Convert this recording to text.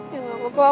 ya gak apa apa aku